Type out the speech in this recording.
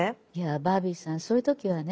バービーさんそういう時はね